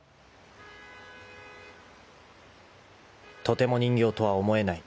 ［とても人形とは思えない］